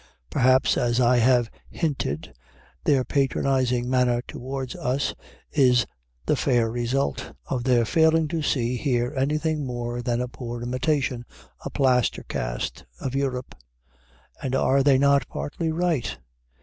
Perhaps, as I have hinted, their patronizing manner toward us is the fair result of their failing to see here anything more than a poor imitation, a plaster cast of Europe. And are they not partly right?